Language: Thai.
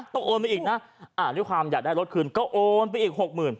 โอนไปอีกนะด้วยความอยากได้รถคืนก็โอนไปอีกหกหมื่น